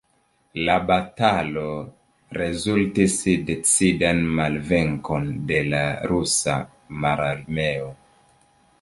La batalo rezultis decidan malvenkon de la Rusa Mararmeo.